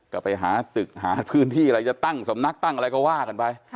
ก็ไปหาตึกหาพื้นที่อะไรจะตั้งสำนักตั้งอะไรก็ว่ากันไป